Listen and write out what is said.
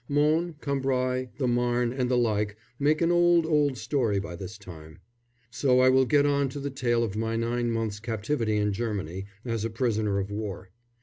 Mons, Cambrai, the Marne and the like make an old, old story by this time, so I will get on to the tale of my nine months' captivity in Germany, as a prisoner of war.